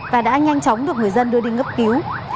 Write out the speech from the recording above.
và đã nhanh chóng được người dân đưa đi cấp cứu